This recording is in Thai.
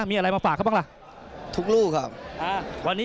มีอะไรมาฝากเขาบ้างล่ะ